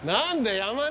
山根